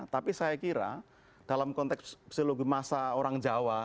tapi saya kira dalam konteks seologi masa orang jawa